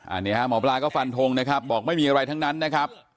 อันนี้ฮะหมอปลาก็ฟันทงนะครับบอกไม่มีอะไรทั้งนั้นนะครับ